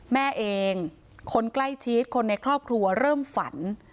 แม่เองคนใกล้ชิดคนในครอบครัวเริ่มฝัน